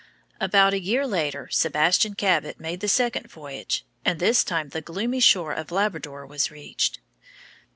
About a year later Sebastian Cabot made the second voyage, and this time the gloomy shore of Labrador was reached.